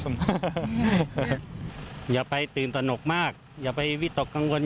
แสนที่เป็นหลังประเทศแต่พวกเขานั้นไม่ได้มีความกังวล